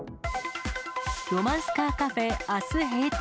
ロマンスカーカフェ、あす閉店。